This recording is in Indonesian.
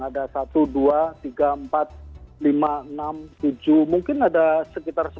ada satu dua tiga empat lima enam tujuh mungkin ada sekitar sepuluh